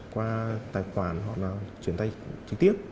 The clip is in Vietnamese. qua tài khoản hoặc là chuyển tay trực tiếp